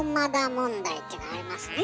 問題っていうのがありますね。